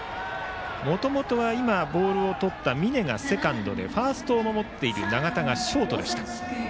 もともとは今ボールをとった峯がセカンドでファーストを守っている永田がショートでした。